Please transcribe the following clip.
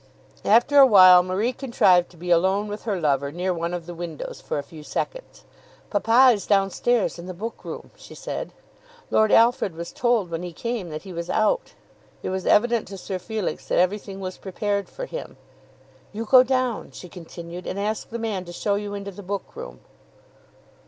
After a while Marie contrived to be alone with her lover near one of the windows for a few seconds. "Papa is down stairs in the book room," she said. "Lord Alfred was told when he came that he was out." It was evident to Sir Felix that everything was prepared for him. "You go down," she continued, "and ask the man to show you into the book room."